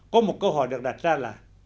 có một câu hỏi được đặt ra là